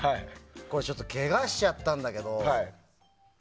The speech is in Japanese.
ちょっとけがしちゃったんだけど。